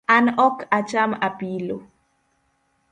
An ok acham apilo